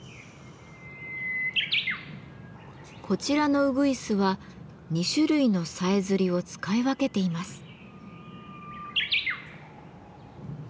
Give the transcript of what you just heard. こちらのうぐいすは２種類のさえずりを使い分けています。